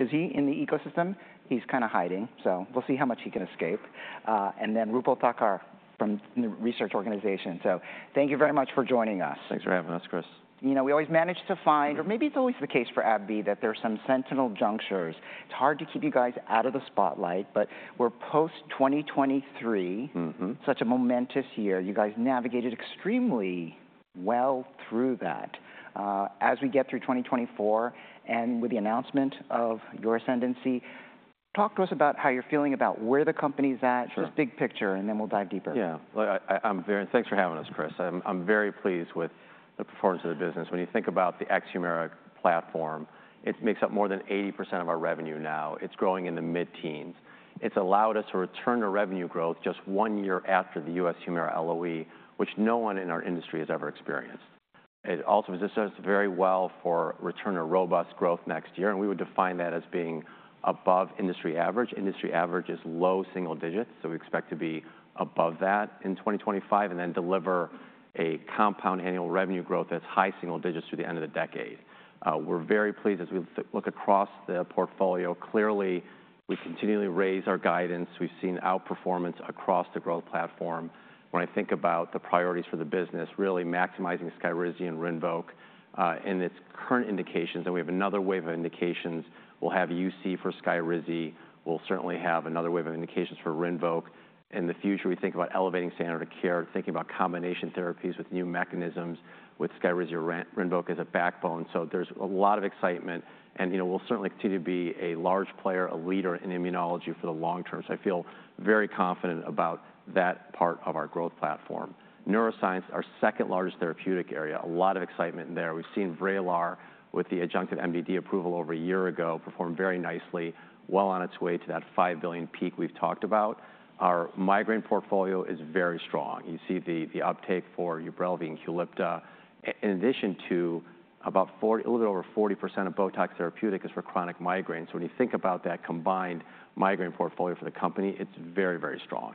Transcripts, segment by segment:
Is he in the ecosystem? He's kind of hiding, so we'll see how much he can escape. And then Roopal Thakkar from the research organization. So thank you very much for joining us. Thanks for having us, Chris. You know, we always manage to find, or maybe it's always the case for AbbVie, that there are some sentinel junctures. It's hard to keep you guys out of the spotlight, but we're post-2023, such a momentous year. You guys navigated extremely well through that. As we get through 2024 and with the announcement of your ascendancy, talk to us about how you're feeling about where the company's at, just big picture, and then we'll dive deeper. Yeah. I'm very—thanks for having us, Chris. I'm very pleased with the performance of the business. When you think about the ex-Humira platform, it makes up more than 80% of our revenue now. It's growing in the mid-teens. It's allowed us to return to revenue growth just one year after the U.S. Humira LOE, which no one in our industry has ever experienced. It also positions us very well for return to robust growth next year, and we would define that as being above industry average. Industry average is low single digits, so we expect to be above that in 2025 and then deliver a compound annual revenue growth that's high single digits through the end of the decade. We're very pleased as we look across the portfolio. Clearly, we continually raise our guidance. We've seen outperformance across the growth platform. When I think about the priorities for the business, really maximizing Skyrizi and Rinvoq in its current indications, and we have another wave of indications. We'll have UC for Skyrizi. We'll certainly have another wave of indications for Rinvoq. In the future, we think about elevating standard of care, thinking about combination therapies with new mechanisms with Skyrizi. Rinvoq is a backbone, so there's a lot of excitement. And we'll certainly continue to be a large player, a leader in immunology for the long term. So I feel very confident about that part of our growth platform. Neuroscience, our second largest therapeutic area, a lot of excitement there. We've seen Vraylar with the adjunctive MDD approval over a year ago perform very nicely, well on its way to that $5 billion peak we've talked about. Our migraine portfolio is very strong. You see the uptake for Ubrelvy and Qulipta. In addition to about a little bit over 40% of Botox therapeutic is for chronic migraine. So when you think about that combined migraine portfolio for the company, it's very, very strong.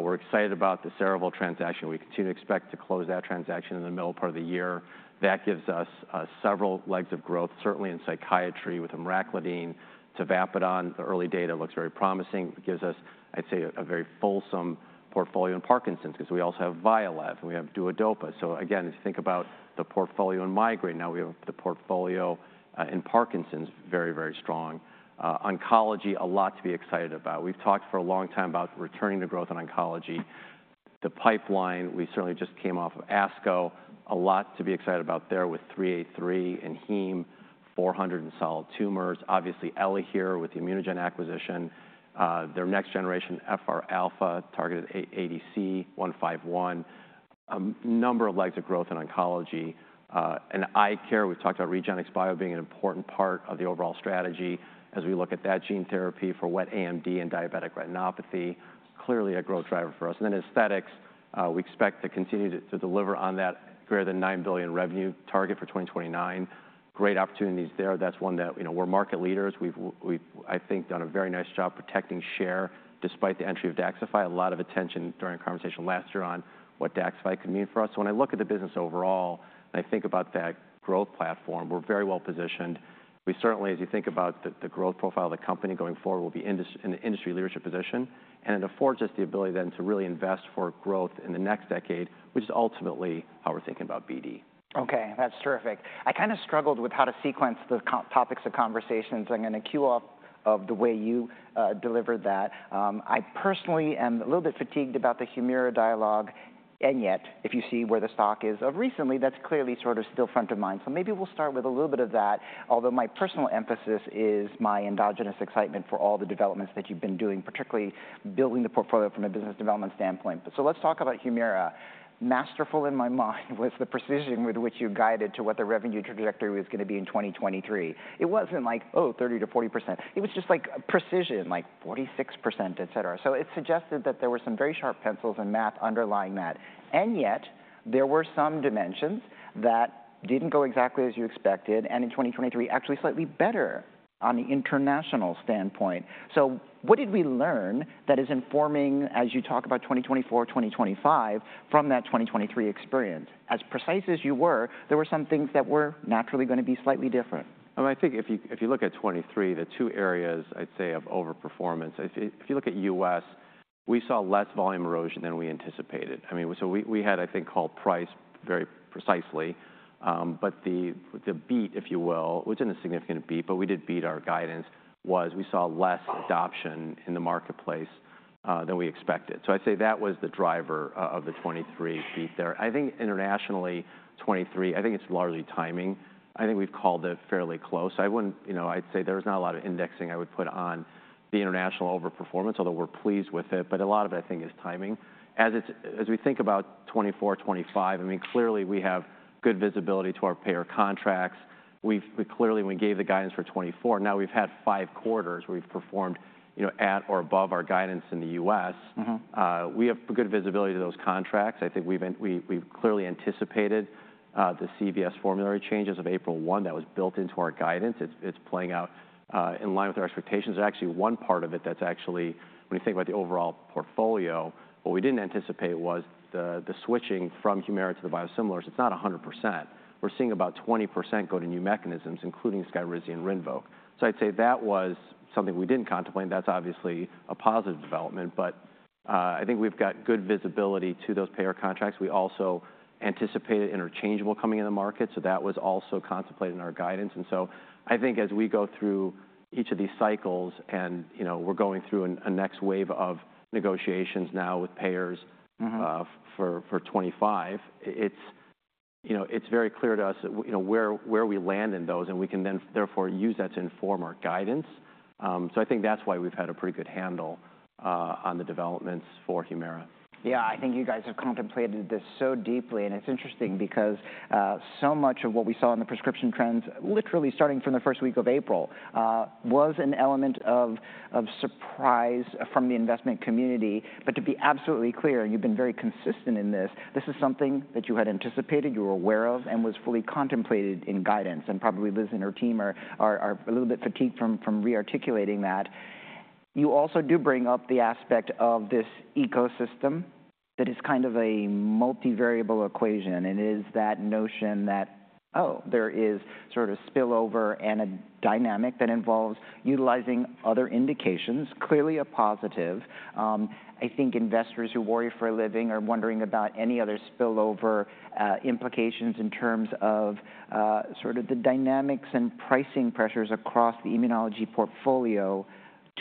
We're excited about the Cerevel transaction. We continue to expect to close that transaction in the middle part of the year. That gives us several legs of growth, certainly in psychiatry with Emraclidine, Tavapadon. The early data looks very promising. It gives us, I'd say, a very fulsome portfolio in Parkinson's because we also have Vyalev and we have Duodopa. So again, as you think about the portfolio in migraine, now we have the portfolio in Parkinson's very, very strong. Oncology, a lot to be excited about. We've talked for a long time about returning to growth in oncology. The pipeline, we certainly just came off of ASCO. A lot to be excited about there with 383 and Heme, 400 and solid tumors. Obviously, Elahere with the ImmunoGen acquisition. Their next generation FR Alpha targeted ADC 151. A number of legs of growth in oncology. In eye care, we've talked about REGENXBIO being an important part of the overall strategy as we look at that gene therapy for wet AMD and diabetic retinopathy. Clearly a growth driver for us. And then aesthetics, we expect to continue to deliver on that greater than $9 billion revenue target for 2029. Great opportunities there. That's one that we're market leaders. We've, I think, done a very nice job protecting share despite the entry of Daxxify. A lot of attention during our conversation last year on what Daxxify could mean for us. So when I look at the business overall and I think about that growth platform, we're very well positioned. We certainly, as you think about the growth profile of the company going forward, will be in the industry leadership position. It affords us the ability then to really invest for growth in the next decade, which is ultimately how we're thinking about BD. Okay, that's terrific. I kind of struggled with how to sequence the topics of conversations. I'm going to cue off of the way you delivered that. I personally am a little bit fatigued about the Humira dialogue. And yet, if you see where the stock is of recently, that's clearly sort of still front of mind. So maybe we'll start with a little bit of that, although my personal emphasis is my endogenous excitement for all the developments that you've been doing, particularly building the portfolio from a business development standpoint. So let's talk about Humira. Masterful in my mind was the precision with which you guided to what the revenue trajectory was going to be in 2023. It wasn't like, oh, 30%-40%. It was just like precision, like 46%, et cetera. So it suggested that there were some very sharp pencils and math underlying that. And yet, there were some dimensions that didn't go exactly as you expected, and in 2023, actually slightly better on the international standpoint. So what did we learn that is informing, as you talk about 2024, 2025, from that 2023 experience? As precise as you were, there were some things that were naturally going to be slightly different. I think if you look at 2023, the two areas, I'd say, of overperformance, if you look at U.S., we saw less volume erosion than we anticipated. I mean, so we had, I think, called price very precisely, but the beat, if you will, it wasn't a significant beat, but we did beat our guidance was we saw less adoption in the marketplace than we expected. So I'd say that was the driver of the 2023 beat there. I think internationally, 2023, I think it's largely timing. I think we've called it fairly close. I wouldn't, you know, I'd say there's not a lot of indexing I would put on the international overperformance, although we're pleased with it, but a lot of it, I think, is timing. As we think about 2024, 2025, I mean, clearly we have good visibility to our payer contracts. We clearly, when we gave the guidance for 2024, now we've had five quarters where we've performed at or above our guidance in the U.S. We have good visibility to those contracts. I think we've clearly anticipated the CVS formulary changes of April 1. That was built into our guidance. It's playing out in line with our expectations. There's actually one part of it that's actually, when you think about the overall portfolio, what we didn't anticipate was the switching from Humira to the biosimilars. It's not 100%. We're seeing about 20% go to new mechanisms, including Skyrizi and Rinvoq. So I'd say that was something we didn't contemplate. That's obviously a positive development, but I think we've got good visibility to those payer contracts. We also anticipated interchangeable coming into the market, so that was also contemplated in our guidance. And so I think as we go through each of these cycles and we're going through a next wave of negotiations now with payers for 2025, it's very clear to us where we land in those, and we can then therefore use that to inform our guidance. So I think that's why we've had a pretty good handle on the developments for Humira. Yeah, I think you guys have contemplated this so deeply, and it's interesting because so much of what we saw in the prescription trends, literally starting from the first week of April, was an element of surprise from the investment community. But to be absolutely clear, and you've been very consistent in this, this is something that you had anticipated, you were aware of, and was fully contemplated in guidance. And probably Liz and her team are a little bit fatigued from re-articulating that. You also do bring up the aspect of this ecosystem that is kind of a multivariable equation, and it is that notion that, oh, there is sort of spillover and a dynamic that involves utilizing other indications, clearly a positive. I think investors who worry for a living are wondering about any other spillover implications in terms of sort of the dynamics and pricing pressures across the immunology portfolio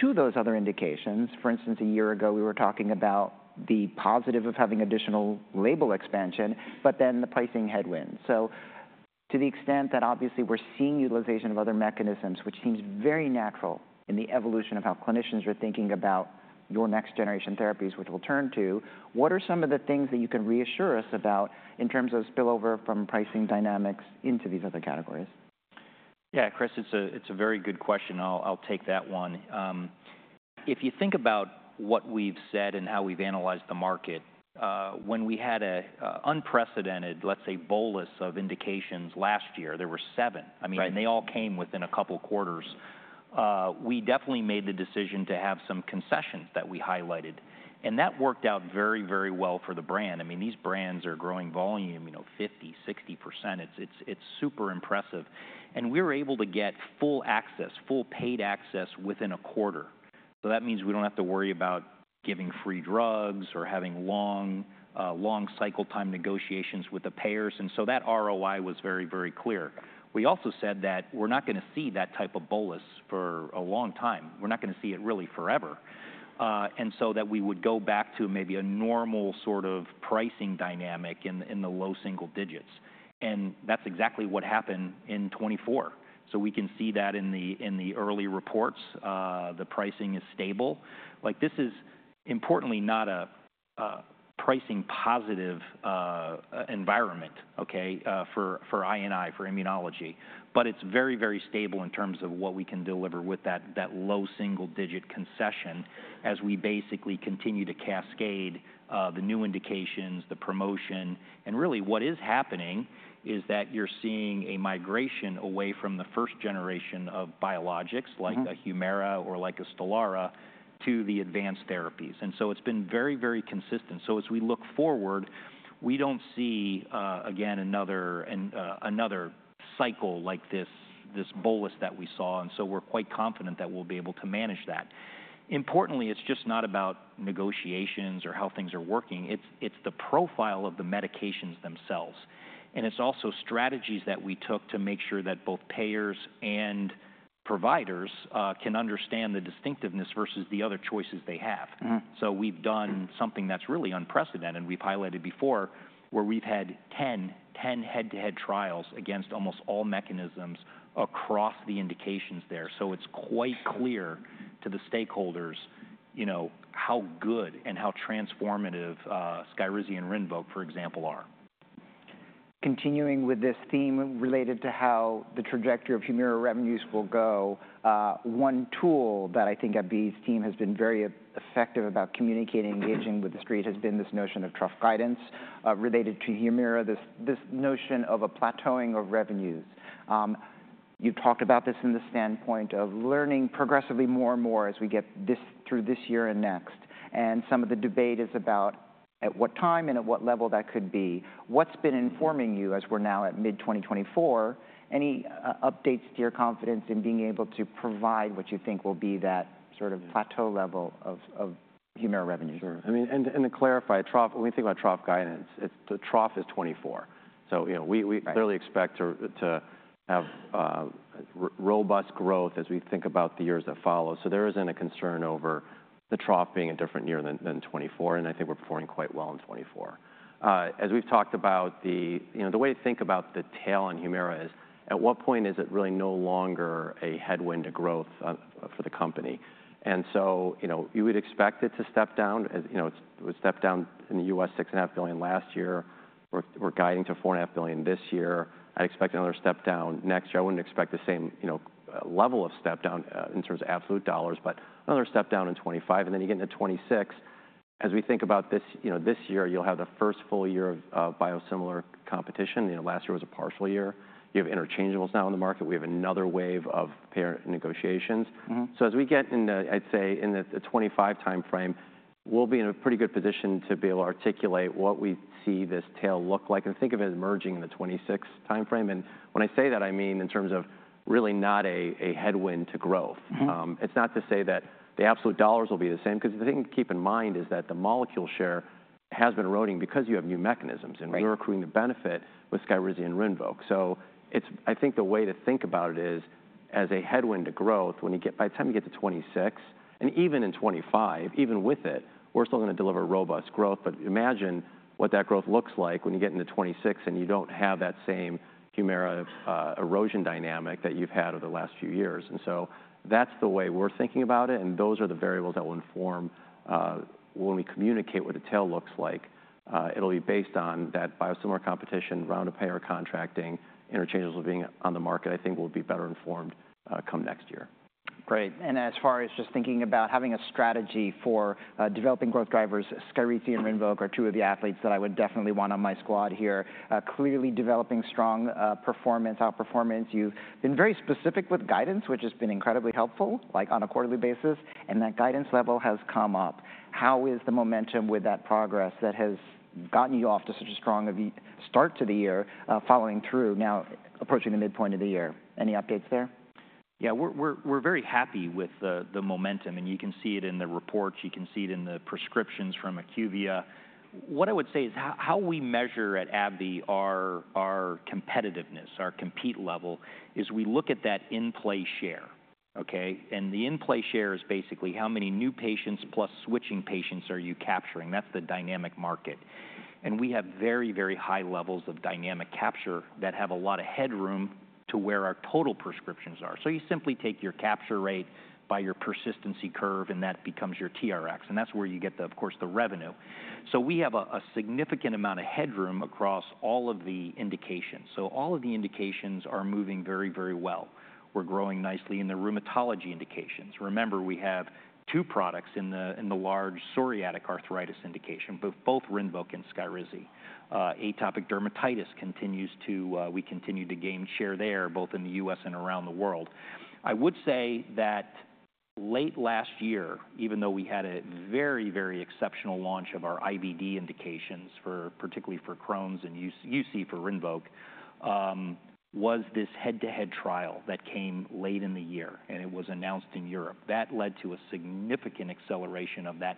to those other indications. For instance, a year ago, we were talking about the positive of having additional label expansion, but then the pricing headwinds. So to the extent that obviously we're seeing utilization of other mechanisms, which seems very natural in the evolution of how clinicians are thinking about your next generation therapies, which we'll turn to, what are some of the things that you can reassure us about in terms of spillover from pricing dynamics into these other categories? Yeah, Chris, it's a very good question. I'll take that one. If you think about what we've said and how we've analyzed the market, when we had an unprecedented, let's say, bolus of indications last year, there were seven. I mean, and they all came within a couple of quarters. We definitely made the decision to have some concessions that we highlighted, and that worked out very, very well for the brand. I mean, these brands are growing volume, you know, 50%-60%. It's super impressive. And we were able to get full access, full paid access within a quarter. So that means we don't have to worry about giving free drugs or having long cycle time negotiations with the payers. And so that ROI was very, very clear. We also said that we're not going to see that type of bolus for a long time. We're not going to see it really forever. So that we would go back to maybe a normal sort of pricing dynamic in the low single digits. And that's exactly what happened in 2024. So we can see that in the early reports. The pricing is stable. Like this is importantly not a pricing positive environment, okay, for INI, for immunology. But it's very, very stable in terms of what we can deliver with that low single digit concession as we basically continue to cascade the new indications, the promotion. And really what is happening is that you're seeing a migration away from the first generation of biologics like a Humira or like a Stelara to the advanced therapies. And so it's been very, very consistent. So as we look forward, we don't see, again, another cycle like this bolus that we saw. And so we're quite confident that we'll be able to manage that. Importantly, it's just not about negotiations or how things are working. It's the profile of the medications themselves. And it's also strategies that we took to make sure that both payers and providers can understand the distinctiveness versus the other choices they have. So we've done something that's really unprecedented. We've highlighted before where we've had 10 head-to-head trials against almost all mechanisms across the indications there. So it's quite clear to the stakeholders, you know, how good and how transformative Skyrizi and Rinvoq, for example, are. Continuing with this theme related to how the trajectory of Humira revenues will go, one tool that I think AbbVie's team has been very effective about communicating and engaging with the street has been this notion of trust guidance related to Humira, this notion of a plateauing of revenues. You've talked about this from the standpoint of learning progressively more and more as we get through this year and next. Some of the debate is about at what time and at what level that could be. What's been informing you as we're now at mid-2024? Any updates to your confidence in being able to provide what you think will be that sort of plateau level of Humira revenues? Sure. I mean, to clarify, when we think about trough guidance, the trough is 2024. So we clearly expect to have robust growth as we think about the years that follow. So there isn't a concern over the trough being a different year than 2024. And I think we're performing quite well in 2024. As we've talked about, the way to think about the tail on Humira is at what point is it really no longer a headwind to growth for the company? And so you would expect it to step down. It stepped down in the U.S., $6.5 billion last year. We're guiding to $4.5 billion this year. I'd expect another step down next year. I wouldn't expect the same level of step down in terms of absolute dollars, but another step down in 2025. And then you get into 2026. As we think about this year, you'll have the first full year of biosimilar competition. Last year was a partial year. You have interchangeables now in the market. We have another wave of payer negotiations. So as we get into, I'd say in the 2025 timeframe, we'll be in a pretty good position to be able to articulate what we see this tail look like and think of it emerging in the 2026 timeframe. And when I say that, I mean in terms of really not a headwind to growth. It's not to say that the absolute dollars will be the same. Because the thing to keep in mind is that the molecule share has been eroding because you have new mechanisms. And we're accruing the benefit with Skyrizi and Rinvoq. So I think the way to think about it is as a headwind to growth, when you get by the time you get to 2026, and even in 2025, even with it, we're still going to deliver robust growth. But imagine what that growth looks like when you get into 2026 and you don't have that same Humira erosion dynamic that you've had over the last few years. And so that's the way we're thinking about it. And those are the variables that will inform when we communicate what the tail looks like. It'll be based on that biosimilar competition, round of payer contracting, interchangeables being on the market. I think we'll be better informed come next year. Great. And as far as just thinking about having a strategy for developing growth drivers, Skyrizi and Rinvoq are two of the athletes that I would definitely want on my squad here. Clearly developing strong performance, outperformance. You've been very specific with guidance, which has been incredibly helpful, like on a quarterly basis. And that guidance level has come up. How is the momentum with that progress that has gotten you off to such a strong start to the year following through now approaching the midpoint of the year? Any updates there? Yeah, we're very happy with the momentum. And you can see it in the reports. You can see it in the prescriptions from IQVIA. What I would say is how we measure at AbbVie our competitiveness, our compete level is we look at that in-play share. And the in-play share is basically how many new patients plus switching patients are you capturing. That's the dynamic market. And we have very, very high levels of dynamic capture that have a lot of headroom to where our total prescriptions are. So you simply take your capture rate by your persistency curve, and that becomes your TRX. And that's where you get the, of course, the revenue. So we have a significant amount of headroom across all of the indications. So all of the indications are moving very, very well. We're growing nicely in the rheumatology indications. Remember, we have two products in the large psoriatic arthritis indication, both Rinvoq and Skyrizi. Atopic dermatitis continues to, we continue to gain share there, both in the U.S. and around the world. I would say that late last year, even though we had a very, very exceptional launch of our IBD indications, particularly for Crohn's and UC for Rinvoq, was this head-to-head trial that came late in the year, and it was announced in Europe. That led to a significant acceleration of that,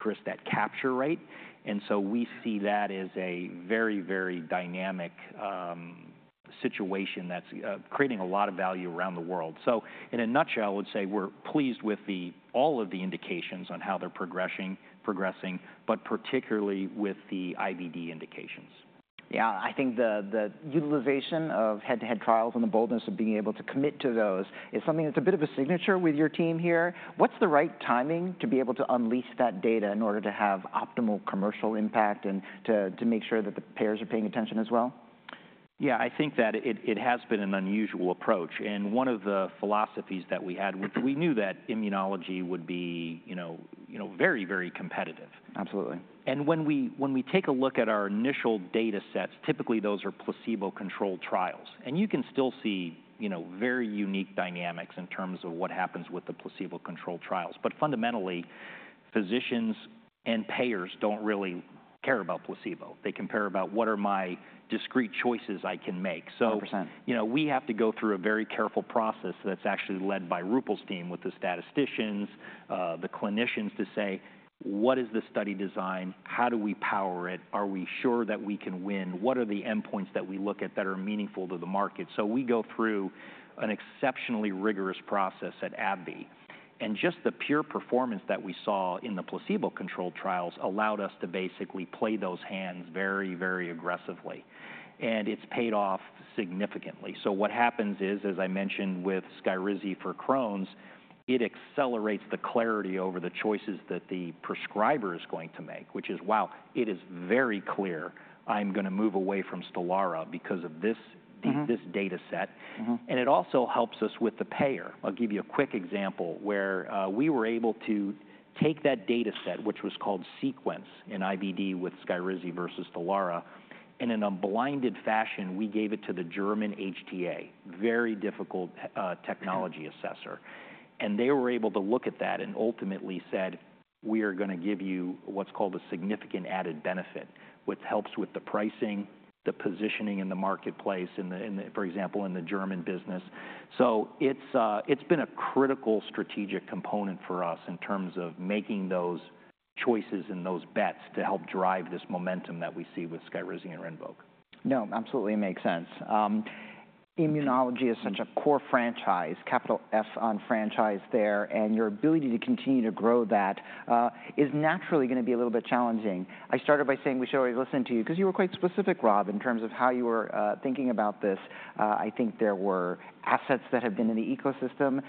Chris, that capture rate. And so we see that as a very, very dynamic situation that's creating a lot of value around the world. So in a nutshell, I would say we're pleased with all of the indications on how they're progressing, but particularly with the IBD indications. Yeah, I think the utilization of head-to-head trials and the boldness of being able to commit to those is something that's a bit of a signature with your team here. What's the right timing to be able to unleash that data in order to have optimal commercial impact and to make sure that the payers are paying attention as well? Yeah, I think that it has been an unusual approach. One of the philosophies that we had, which we knew that immunology would be very, very competitive. Absolutely. When we take a look at our initial data sets, typically those are placebo-controlled trials. You can still see very unique dynamics in terms of what happens with the placebo-controlled trials. But fundamentally, physicians and payers don't really care about placebo. They compare about what are my discrete choices I can make. 100%. So we have to go through a very careful process that's actually led by Roopal's team with the statisticians, the clinicians to say, what is the study design? How do we power it? Are we sure that we can win? What are the endpoints that we look at that are meaningful to the market? So we go through an exceptionally rigorous process at AbbVie. And just the pure performance that we saw in the placebo-controlled trials allowed us to basically play those hands very, very aggressively. And it's paid off significantly. So what happens is, as I mentioned with Skyrizi for Crohn's, it accelerates the clarity over the choices that the prescriber is going to make, which is, wow, it is very clear. I'm going to move away from Stelara because of this data set. And it also helps us with the payer. I'll give you a quick example where we were able to take that data set, which was called sequence in IBD with Skyrizi versus Stelara, and in a blinded fashion, we gave it to the German HTA, very difficult technology assessor. They were able to look at that and ultimately said, we are going to give you what's called a significant added benefit, which helps with the pricing, the positioning in the marketplace, for example, in the German business. It's been a critical strategic component for us in terms of making those choices and those bets to help drive this momentum that we see with Skyrizi and Rinvoq. No, absolutely makes sense. Immunology is such a core franchise, capital F on franchise there. And your ability to continue to grow that is naturally going to be a little bit challenging. I started by saying we should always listen to you because you were quite specific, Rob, in terms of how you were thinking about this. I think there were assets that have been in the ecosystem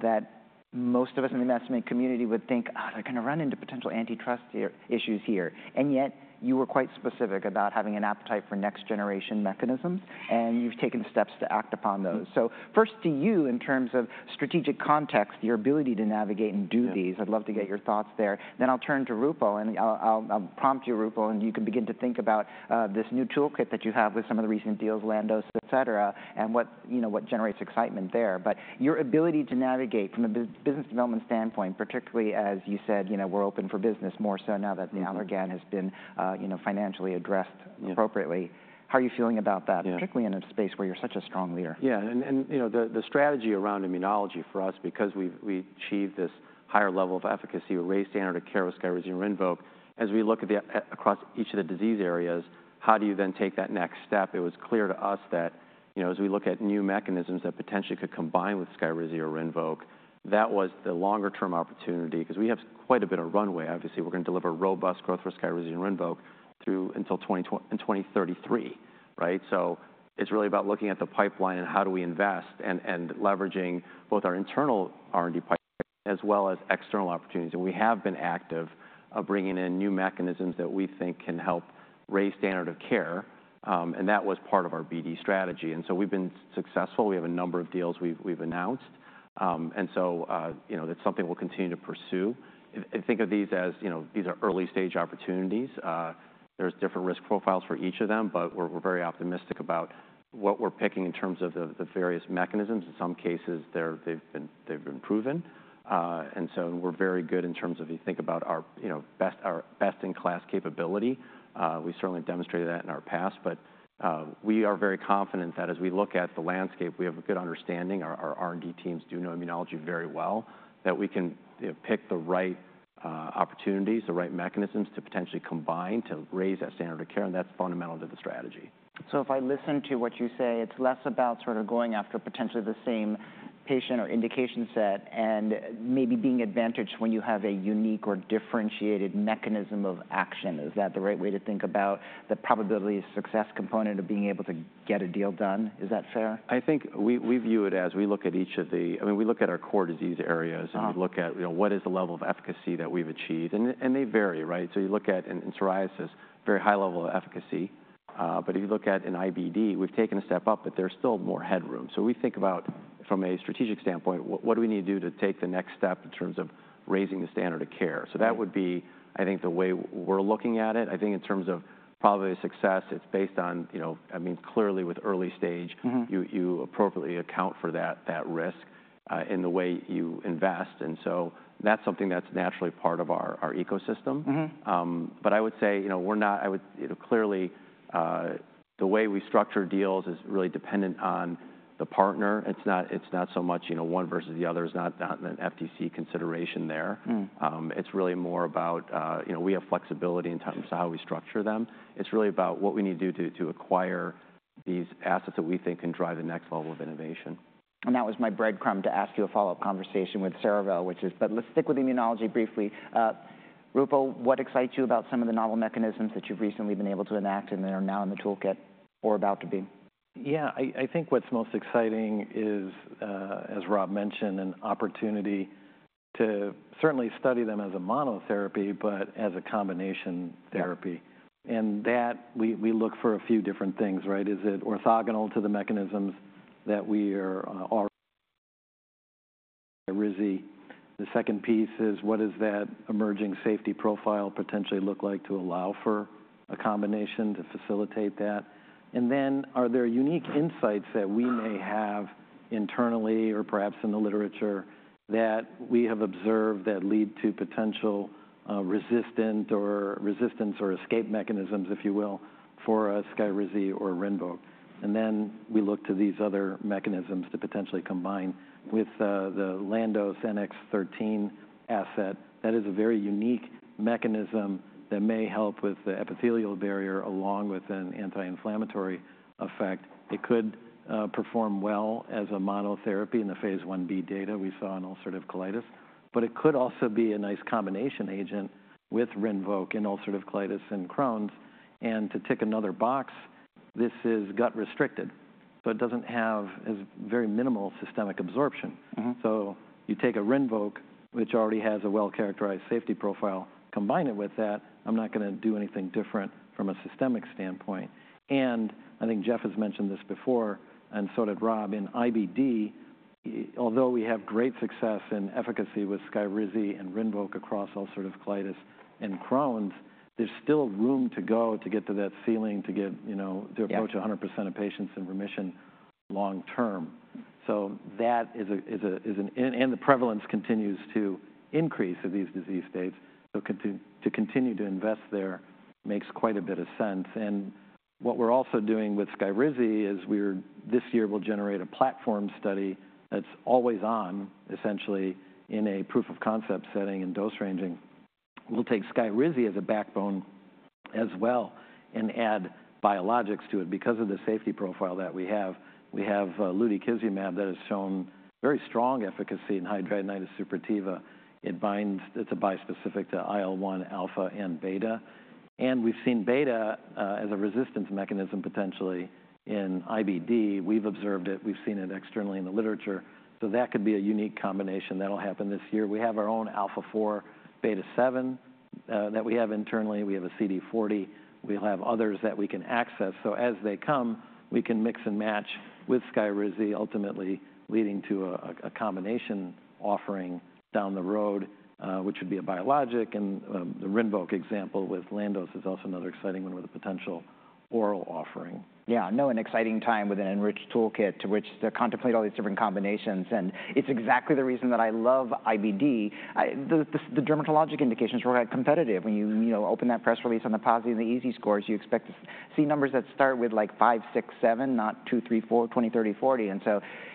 that most of us in the investment community would think, oh, they're going to run into potential antitrust issues here. And yet you were quite specific about having an appetite for next generation mechanisms. And you've taken steps to act upon those. So first to you in terms of strategic context, your ability to navigate and do these. I'd love to get your thoughts there. Then I'll turn to Roopal. I'll prompt you, Roopal, and you can begin to think about this new toolkit that you have with some of the recent deals, Landos, et cetera, and what generates excitement there. But your ability to navigate from a business development standpoint, particularly as you said, we're open for business more so now that the Allergan has been financially addressed appropriately. How are you feeling about that, particularly in a space where you're such a strong leader? Yeah. And the strategy around immunology for us, because we achieved this higher level of efficacy, we raised standard of care with Skyrizi and Rinvoq. As we look across each of the disease areas, how do you then take that next step? It was clear to us that as we look at new mechanisms that potentially could combine with Skyrizi or Rinvoq, that was the longer-term opportunity because we have quite a bit of runway. Obviously, we're going to deliver robust growth for Skyrizi and Rinvoq through until 2033. So it's really about looking at the pipeline and how do we invest and leveraging both our internal R&D pipeline as well as external opportunities. And we have been active bringing in new mechanisms that we think can help raise standard of care. And that was part of our BD strategy. And so we've been successful. We have a number of deals we've announced. And so that's something we'll continue to pursue. Think of these as these are early-stage opportunities. There's different risk profiles for each of them, but we're very optimistic about what we're picking in terms of the various mechanisms. In some cases, they've been proven. And so we're very good in terms of if you think about our best-in-class capability. We certainly demonstrated that in our past. But we are very confident that as we look at the landscape, we have a good understanding. Our R&D teams do know immunology very well, that we can pick the right opportunities, the right mechanisms to potentially combine to raise that standard of care. And that's fundamental to the strategy. So if I listen to what you say, it's less about sort of going after potentially the same patient or indication set and maybe being advantaged when you have a unique or differentiated mechanism of action. Is that the right way to think about the probability of success component of being able to get a deal done? Is that fair? I think we view it as we look at each of the, I mean, we look at our core disease areas and we look at what is the level of efficacy that we've achieved. They vary. You look at in psoriasis, very high level of efficacy. If you look at in IBD, we've taken a step up, but there's still more headroom. We think about from a strategic standpoint, what do we need to do to take the next step in terms of raising the standard of care? That would be, I think, the way we're looking at it. I think in terms of probably success, it's based on, I mean, clearly with early stage, you appropriately account for that risk in the way you invest. That's something that's naturally part of our ecosystem. But I would say we're not. I would clearly, the way we structure deals is really dependent on the partner. It's not so much one versus the other. It's not an FTC consideration there. It's really more about we have flexibility in terms of how we structure them. It's really about what we need to do to acquire these assets that we think can drive the next level of innovation. That was my breadcrumb to ask you a follow-up conversation with Cerevel, which is, but let's stick with immunology briefly. Roopal, what excites you about some of the novel mechanisms that you've recently been able to enact and that are now in the toolkit or about to be? Yeah, I think what's most exciting is, as Rob mentioned, an opportunity to certainly study them as a monotherapy, but as a combination therapy. And that we look for a few different things. Is it orthogonal to the mechanisms that we are already Skyrizi? The second piece is what does that emerging safety profile potentially look like to allow for a combination to facilitate that? And then are there unique insights that we may have internally or perhaps in the literature that we have observed that lead to potential resistance or escape mechanisms, if you will, for Skyrizi or Rinvoq? And then we look to these other mechanisms to potentially combine with the Landos NX-13 asset. That is a very unique mechanism that may help with the epithelial barrier along with an anti-inflammatory effect. It could perform well as a monotherapy in the phase IB data we saw in ulcerative colitis. But it could also be a nice combination agent with Rinvoq in ulcerative colitis and Crohn's. And to tick another box, this is gut-restricted. So it doesn't have very minimal systemic absorption. So you take a Rinvoq, which already has a well-characterized safety profile, combine it with that. I'm not going to do anything different from a systemic standpoint. And I think Jeff has mentioned this before, and so did Rob, in IBD, although we have great success and efficacy with Skyrizi and Rinvoq across ulcerative colitis and Crohn's, there's still room to go to get to that ceiling to approach 100% of patients in remission long-term. So that is, and the prevalence continues to increase of these disease states. So to continue to invest there makes quite a bit of sense. And what we're also doing with Skyrizi is this year we'll generate a platform study that's always on, essentially in a proof of concept setting and dose ranging. We'll take Skyrizi as a backbone as well and add biologics to it because of the safety profile that we have. We have Lutikizumab that has shown very strong efficacy in hidradenitis suppurativa. It binds, it's a bispecific to IL-1, alpha, and beta. And we've seen beta as a resistance mechanism potentially in IBD. We've observed it. We've seen it externally in the literature. So that could be a unique combination. That'll happen this year. We have our own alpha-4, beta-7 that we have internally. We have a CD40. We'll have others that we can access. So as they come, we can mix and match with Skyrizi, ultimately leading to a combination offering down the road, which would be a biologic. The Rinvoq example with Landos is also another exciting one with a potential oral offering. Yeah, I know an exciting time with an enriched toolkit to which to contemplate all these different combinations. And it's exactly the reason that I love IBD. The dermatologic indications were quite competitive. When you open that press release on the PASI and the EASI scores, you expect to see numbers that start with like five, six, seven, not two, three, four, 20, 30, 40.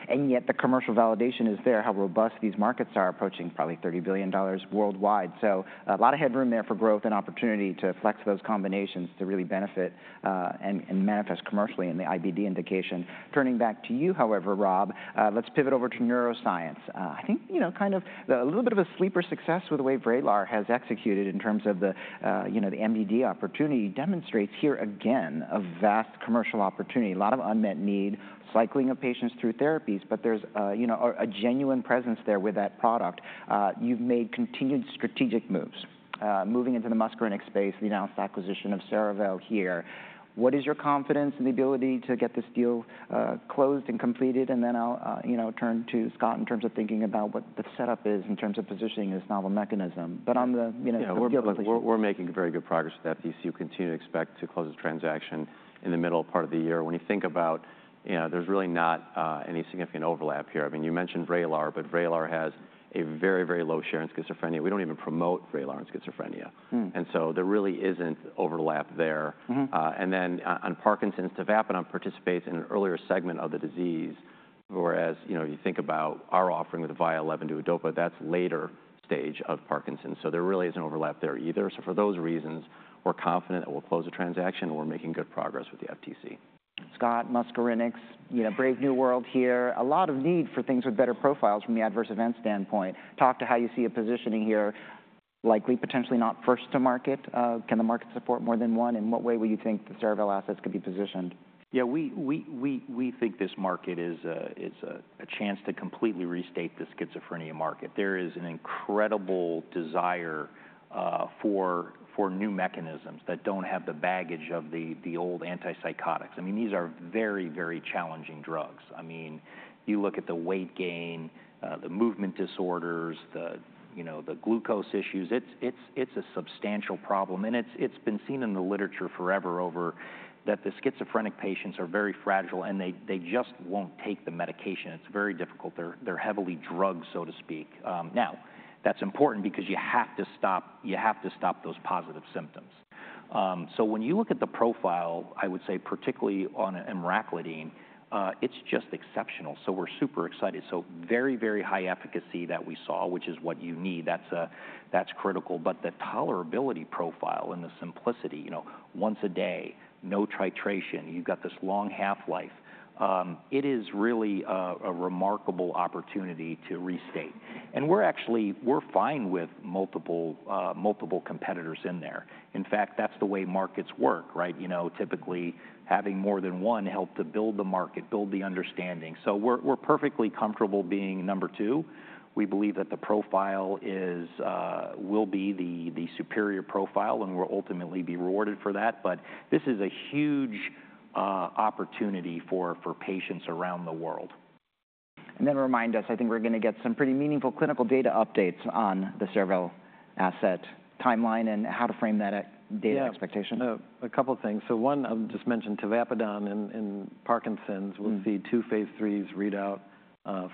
And yet the commercial validation is there, how robust these markets are approaching probably $30 billion worldwide. So a lot of headroom there for growth and opportunity to flex those combinations to really benefit and manifest commercially in the IBD indication. Turning back to you, however, Rob, let's pivot over to neuroscience. I think kind of a little bit of a sleeper success with the way Vraylar has executed in terms of the MDD opportunity demonstrates here again a vast commercial opportunity. A lot of unmet need, cycling of patients through therapies, but there's a genuine presence there with that product. You've made continued strategic moves moving into the muscarinic space, the announced acquisition of Cerevel here. What is your confidence in the ability to get this deal closed and completed? And then I'll turn to Scott in terms of thinking about what the setup is in terms of positioning this novel mechanism. But on the deal closing. We're making very good progress with that. We will continue to expect to close the transaction in the middle part of the year. When you think about there's really not any significant overlap here. I mean, you mentioned Vraylar, but Vraylar has a very, very low share in schizophrenia. We don't even promote Vraylar in schizophrenia. And so there really isn't overlap there. And then on Parkinson's, tavapadon participates in an earlier segment of the disease. Whereas you think about our offering with Vyalev and Duodopa, that's later stage of Parkinson's. So there really isn't overlap there either. So for those reasons, we're confident that we'll close the transaction. We're making good progress with the FTC. Scott, muscarinics, brave new world here. A lot of need for things with better profiles from the adverse event standpoint. Talk to how you see a positioning here, likely potentially not first to market. Can the market support more than one? In what way will you think the Cerevel assets could be positioned? Yeah, we think this market is a chance to completely restate the schizophrenia market. There is an incredible desire for new mechanisms that don't have the baggage of the old antipsychotics. I mean, these are very, very challenging drugs. I mean, you look at the weight gain, the movement disorders, the glucose issues. It's a substantial problem. And it's been seen in the literature forever that the schizophrenic patients are very fragile and they just won't take the medication. It's very difficult. They're heavily drugged, so to speak. Now, that's important because you have to stop those positive symptoms. So when you look at the profile, I would say particularly on emraclidine, it's just exceptional. So we're super excited. So very, very high efficacy that we saw, which is what you need. That's critical. The tolerability profile and the simplicity, once a day, no titration, you've got this long half-life. It is really a remarkable opportunity to restate. We're actually fine with multiple competitors in there. In fact, that's the way markets work. Typically, having more than one helped to build the market, build the understanding. We're perfectly comfortable being number two. We believe that the profile will be the superior profile and we'll ultimately be rewarded for that. This is a huge opportunity for patients around the world. Then remind us, I think we're going to get some pretty meaningful clinical data updates on the Cerevel asset timeline and how to frame that data expectation. Yeah, a couple of things. So one, I'll just mention tavapadon in Parkinson's. We'll see II phase IIIs readout,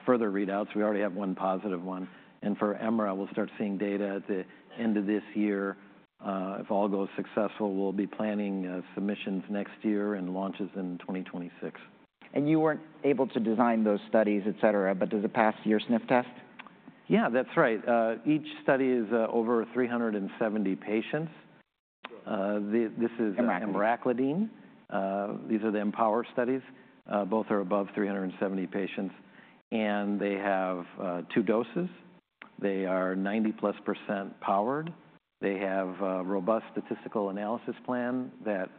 further readouts. We already have 1 positive one. And for Emraclidine, we'll start seeing data at the end of this year. If all goes successful, we'll be planning submissions next year and launches in 2026. You weren't able to design those studies, et cetera, but does it pass your sniff test? Yeah, that's right. Each study is over 370 patients. This is Emraclidine. These are the empower studies. Both are above 370 patients. And they have two doses. They are 90%+ powered. They have a robust statistical analysis plan that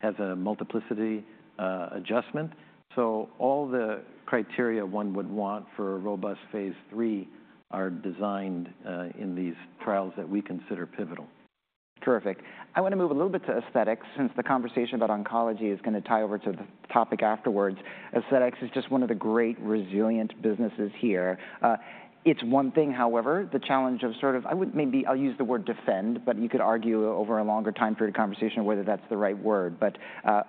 has a multiplicity adjustment. All the criteria one would want for robust phase III are designed in these trials that we consider pivotal. Terrific. I want to move a little bit to aesthetics since the conversation about oncology is going to tie over to the topic afterwards. Aesthetics is just one of the great resilient businesses here. It's one thing, however, the challenge of sort of, I would maybe I'll use the word defend, but you could argue over a longer time period of conversation whether that's the right word. But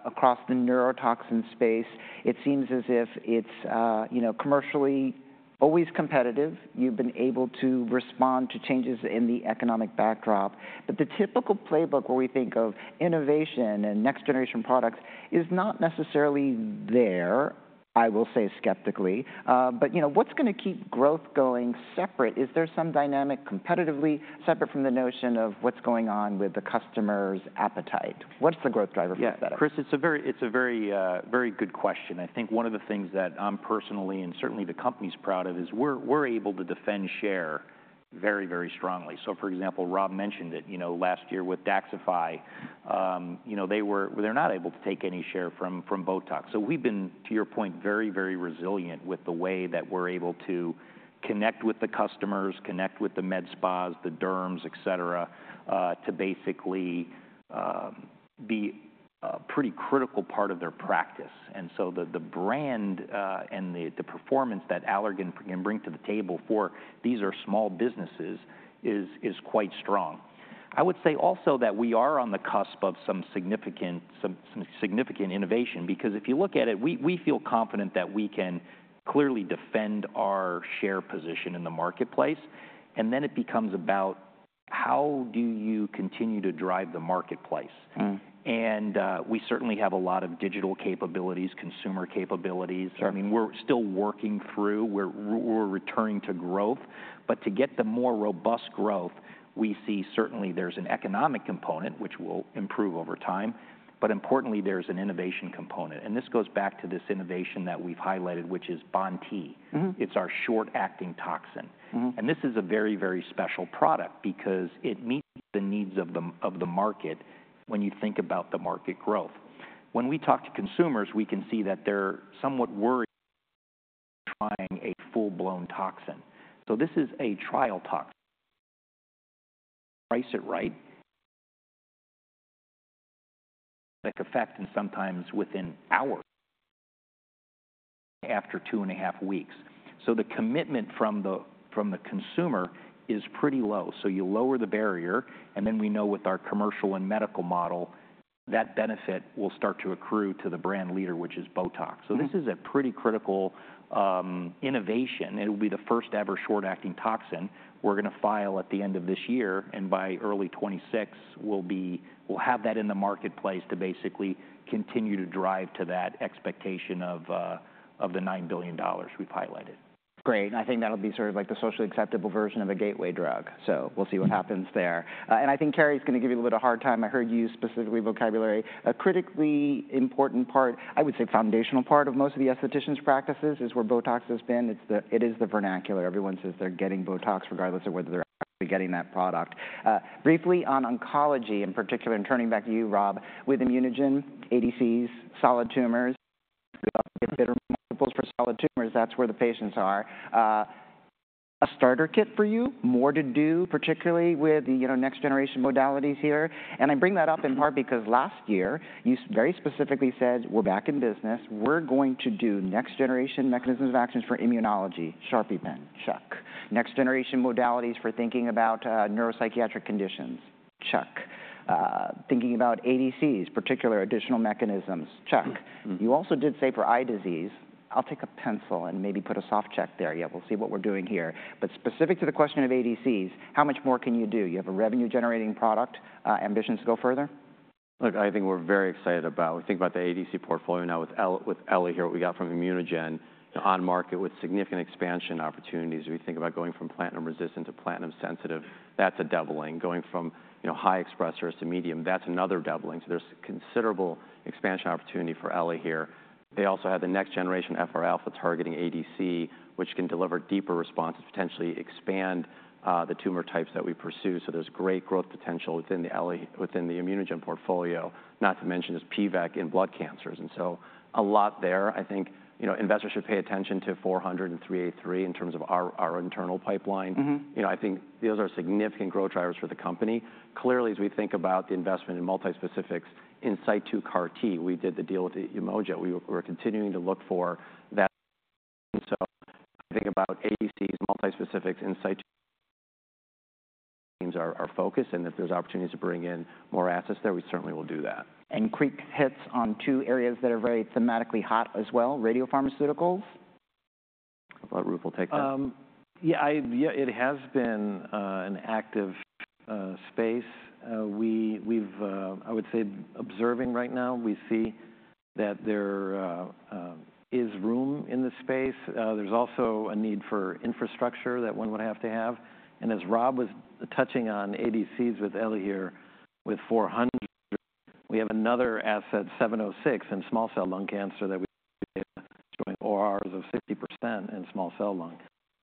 across the neurotoxin space, it seems as if it's commercially always competitive. You've been able to respond to changes in the economic backdrop. But the typical playbook where we think of innovation and next-generation products is not necessarily there, I will say skeptically. But what's going to keep growth going separate? Is there some dynamic competitively separate from the notion of what's going on with the customer's appetite? What's the growth driver for aesthetics? Yeah, Chris, it's a very good question. I think one of the things that I'm personally and certainly the company's proud of is we're able to defend share very, very strongly. So for example, Rob mentioned it last year with Daxxify. They were not able to take any share from Botox. So we've been, to your point, very, very resilient with the way that we're able to connect with the customers, connect with the med spas, the derms, et cetera, to basically be a pretty critical part of their practice. And so the brand and the performance that Allergan can bring to the table for these are small businesses is quite strong. I would say also that we are on the cusp of some significant innovation because if you look at it, we feel confident that we can clearly defend our share position in the marketplace. And then it becomes about how do you continue to drive the marketplace? And we certainly have a lot of digital capabilities, consumer capabilities. I mean, we're still working through. We're returning to growth. But to get the more robust growth, we see certainly there's an economic component, which will improve over time. But importantly, there's an innovation component. And this goes back to this innovation that we've highlighted, which is BoNT/E. It's our short-acting toxin. And this is a very, very special product because it meets the needs of the market when you think about the market growth. When we talk to consumers, we can see that they're somewhat worried trying a full-blown toxin. So this is a trial toxin. Price it right, effect and sometimes within hours, after two and a half weeks. So the commitment from the consumer is pretty low. So you lower the barrier. Then we know with our commercial and medical model, that benefit will start to accrue to the brand leader, which is Botox. So this is a pretty critical innovation. It will be the first ever short-acting toxin. We're going to file at the end of this year. By early 2026, we'll have that in the marketplace to basically continue to drive to that expectation of the $9 billion we've highlighted. Great. I think that'll be sort of like the socially acceptable version of a gateway drug. So we'll see what happens there. I think Carrie's going to give you a little bit of a hard time. I heard you specifically vocabulary. A critically important part, I would say foundational part of most of the aestheticians' practices is where Botox has been. It is the vernacular. Everyone says they're getting Botox regardless of whether they're actually getting that product. Briefly on oncology in particular, and turning back to you, Rob, with ImmunoGen, ADCs, solid tumors, multispecifics for solid tumors, that's where the patients are. A starter kit for you, more to do, particularly with the next-generation modalities here. I bring that up in part because last year you very specifically said, "We're back in business. We're going to do next-generation mechanisms of actions for immunology." Sharpie pen, chuck. Next-generation modalities for thinking about neuropsychiatric conditions, such. Thinking about ADCs, particular additional mechanisms, such. You also did say for eye disease, "I'll take a pencil and maybe put a soft check there." Yeah, we'll see what we're doing here. But specific to the question of ADCs, how much more can you do? You have a revenue-generating product. Ambitions to go further? Look, I think we're very excited about, we think about the ADC portfolio now with Elahere, what we got from ImmunoGen on market with significant expansion opportunities. We think about going from platinum-resistant to platinum-sensitive. That's a doubling. Going from high expressors to medium, that's another doubling. So there's considerable expansion opportunity for Elahere. They also have the next-generation FR Alpha targeting ADC, which can deliver deeper responses, potentially expand the tumor types that we pursue. So there's great growth potential within the ImmunoGen portfolio, not to mention this PVEK in blood cancers. And so a lot there. I think investors should pay attention to 400 and 383 in terms of our internal pipeline. I think those are significant growth drivers for the company. Clearly, as we think about the investment in multispecifics in situ CAR-T, we did the deal with Umoja. We're continuing to look for that. I think about ADCs, multispecifics, in situ CAR-T are focused. If there's opportunities to bring in more assets there, we certainly will do that. Cerevel hits on two areas that are very thematically hot as well, radiopharmaceuticals. I thought Roopal would take that. Yeah, it has been an active space. I would say, observing right now, we see that there is room in the space. There's also a need for infrastructure that one would have to have. And as Rob was touching on ADCs with Elahere, with 400, we have another asset, 706, in small cell lung cancer that we showing ORRs of 60% in small cell lung.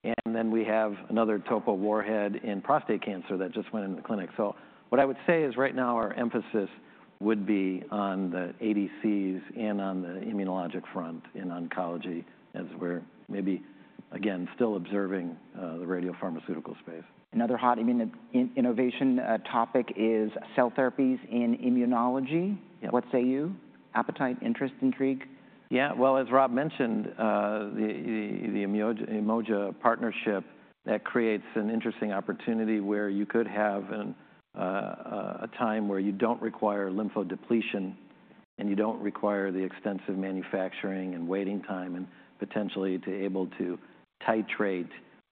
And then we have another topo warhead in prostate cancer that just went into the clinic. So what I would say is right now our emphasis would be on the ADCs and on the immunologic front in oncology as we're maybe, again, still observing the radiopharmaceutical space. Another hot innovation topic is cell therapies in immunology. What say you? Appetite, interest, intrigue? Yeah, well, as Rob mentioned, the Umoja partnership, that creates an interesting opportunity where you could have a time where you don't require lymphodepletion and you don't require the extensive manufacturing and waiting time and potentially to be able to titrate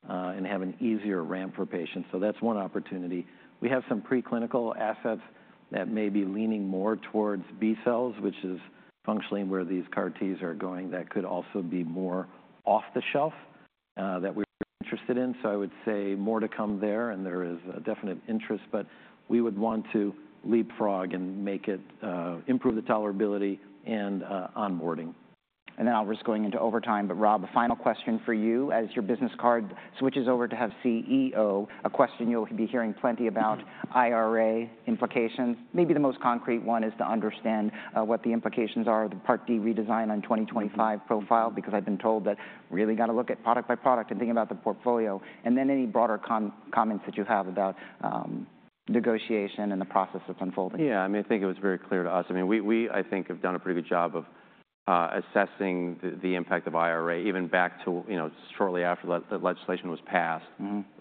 and have an easier ramp for patients. So that's one opportunity. We have some preclinical assets that may be leaning more towards B cells, which is functionally where these CAR-Ts are going. That could also be more off the shelf that we're interested in. So I would say more to come there and there is definite interest. But we would want to leapfrog and improve the tolerability and onboarding. Now we're just going into overtime. But Rob, a final question for you as your business card switches over to have CEO. A question you'll be hearing plenty about IRA implications. Maybe the most concrete one is to understand what the implications are of the Part D redesign on 2025 profile because I've been told that really got to look at product by product and think about the portfolio. And then any broader comments that you have about negotiation and the process that's unfolding. Yeah, I mean, I think it was very clear to us. I mean, we, I think, have done a pretty good job of assessing the impact of IRA even back to shortly after the legislation was passed,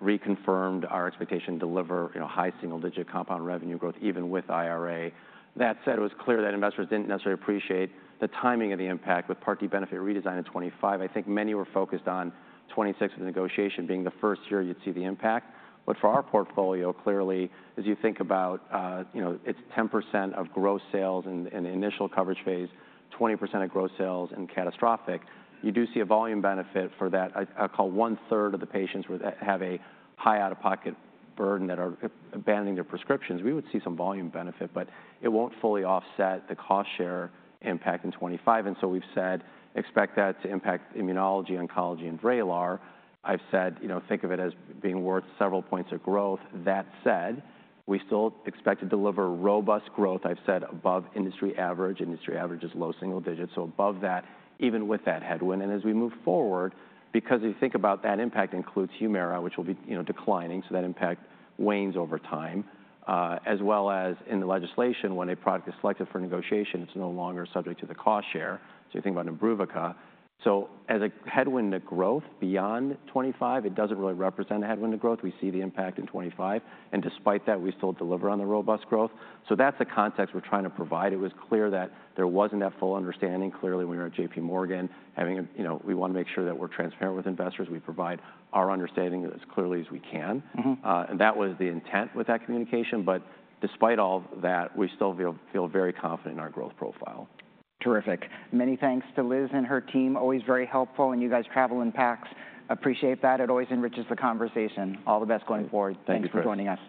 reconfirmed our expectation to deliver high single-digit compound revenue growth even with IRA. That said, it was clear that investors didn't necessarily appreciate the timing of the impact with Part D benefit redesign in 2025. I think many were focused on 2026 with the negotiation being the first year you'd see the impact. But for our portfolio, clearly, as you think about its 10% of gross sales in the initial coverage phase, 20% of gross sales in catastrophic, you do see a volume benefit for that. I call one-third of the patients have a high out-of-pocket burden that are abandoning their prescriptions. We would see some volume benefit, but it won't fully offset the cost share impact in 2025. And so we've said, expect that to impact immunology, oncology, and Vraylar. I've said, think of it as being worth several points of growth. That said, we still expect to deliver robust growth. I've said above industry average. Industry average is low single digits. So above that, even with that headwind. And as we move forward, because if you think about that impact includes Humira, which will be declining, so that impact wanes over time, as well as in the legislation when a product is selected for negotiation, it's no longer subject to the cost share. So you think about Imbruvica. So that's the context we're trying to provide. It was clear that there wasn't that full understanding. Clearly, when you're at JPMorgan, we want to make sure that we're transparent with investors. We provide our understanding as clearly as we can. And that was the intent with that communication. But despite all that, we still feel very confident in our growth profile. Terrific. Many thanks to Liz and her team. Always very helpful. And you guys travel in packs. Appreciate that. It always enriches the conversation. All the best going forward. Thank you, Chris. Thanks for joining us.